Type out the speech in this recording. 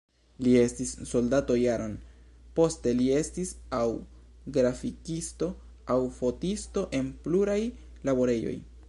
Li estis soldato jaron, poste li estis aŭ grafikisto, aŭ fotisto en pluraj laborejoj.